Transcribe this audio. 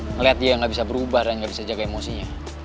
ngeliat dia gak bisa berubah dan gak bisa jaga emosinya